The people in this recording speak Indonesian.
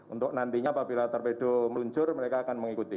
untuk nantinya apabila torpedo meluncur mereka akan mengikuti